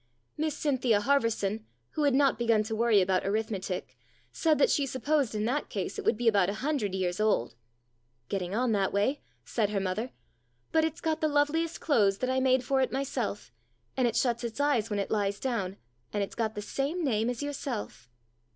Miss Cynthia Harverson, who had not begun to worry about arithmetic, said that she supposed in that case it would be about a hundred years old. " Getting on that way," said her mother. " But it's got the loveliest clothes that I made for it myself, and it shuts its eyes when it lies down, and it's got the same name as yourself."